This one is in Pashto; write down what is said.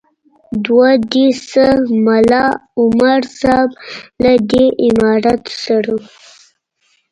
دوه دې سه ملا عمر صاحب له دې امارت سره.